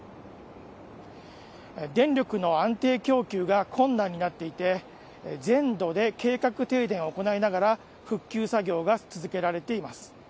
電力の安定供給が困難になっていて全土で計画停電を行いながら復旧作業が続けられています。